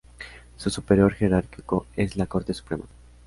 Su superior jerárquico es la Corte Suprema.